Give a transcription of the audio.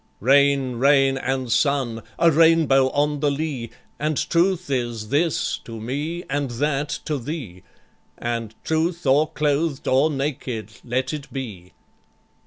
"'Rain, rain, and sun! a rainbow on the lea! And truth is this to me, and that to thee; And truth or clothed or naked let it be.